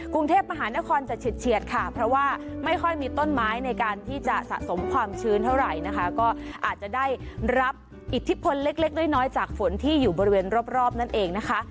กรุงเทพมหานครจะเฉียดค่ะเพราะว่าไม่ค่อยมีต้นไม้ในการที่จะสะสมความชื้นเท่าไหร่นะคะก็อาจจะได้รับอิทธิพลเล็กเล็กน้อยจากฝนที่อยู่บริเวณรอบนั่นเองนะคะ